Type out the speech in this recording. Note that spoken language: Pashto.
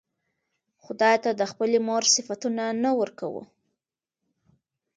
خداى ته د خپلې مور صفتونه نه ورکوو